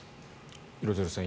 廣津留さん